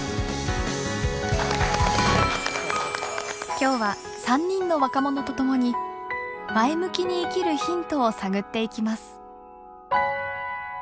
今日は３人の若者と共に前向きに生きるヒントを探っていきます。